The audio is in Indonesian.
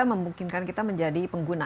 memungkinkan kita menjadi pengguna